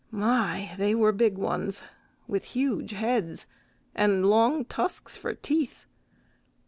My! they were big ones, with huge heads and long tusks for teeth.